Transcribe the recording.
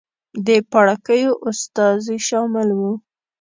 د پاړکیو استازي شامل وو.